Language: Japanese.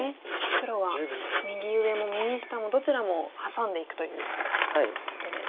黒は右上も右下もどちらもハサんでいくということで。